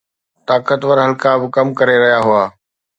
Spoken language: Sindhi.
طاقتور حلقا به ڪم ڪري رهيا هئا.